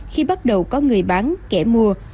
khi bắt đầu có người bán kẻ mua